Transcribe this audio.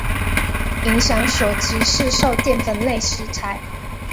影响所及市售淀粉类食材。